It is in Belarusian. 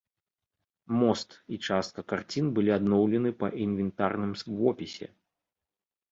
Мост і частка карцін былі адноўлены па інвентарным вопісе.